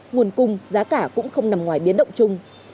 nguồn cung giá cả cũng không nằm ngoài biến động chung